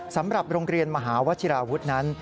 สำหรับโรงเรียนมหาวชิราวุฒินั้น